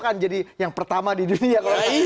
akan menjadi yang pertama di dunia